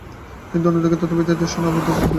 কিন্তু অন্যদিকে, তত্ত্ববিদ্যা ও দর্শনের উদ্ভব হইল।